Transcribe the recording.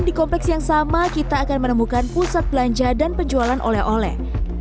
di kompleks yang sama kita akan menemukan pusat belanja dan penjualan oleh oleh